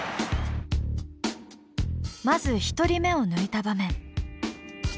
まず１人目を抜いた場面。